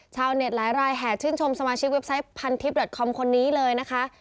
ชาวเน็ตหลายรายแห่ชื่นชมสมาชิกเว็บไซต์พันทิพย์คอมคนนี้เลยนะคะ